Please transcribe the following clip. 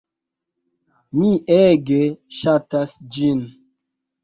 Mi ege ŝatas ĝin.